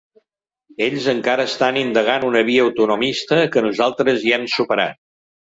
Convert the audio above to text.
Ells encara estan indagant una via autonomista que nosaltres ja hem superat.